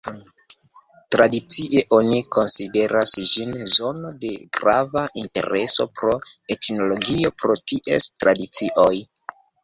Tradicie oni konsideras ĝin zono de grava intereso pro etnologio pro ties tradicioj.